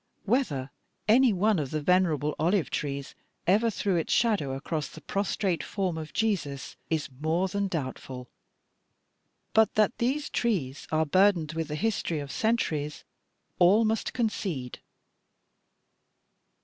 Whether any one of the venerable olive trees ever threw its shadow across the prostrate form of Jesus is more than doubtful, but that these trees are burdened with the history of centuries all must concede.